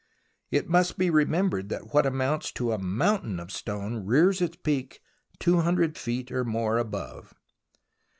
It must be remembered that what amounts to a mountain of stone rears its peak 200 feet or more above.